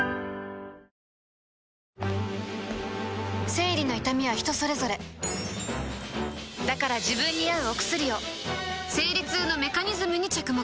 生理の痛みは人それぞれだから自分に合うお薬を生理痛のメカニズムに着目